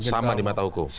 sama di mata hukum